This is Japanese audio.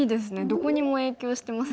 どこにも影響してますよね。